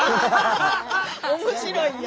面白いよ。